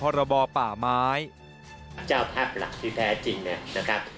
เจ้าภาพหลักที่แท้จริงนะครับ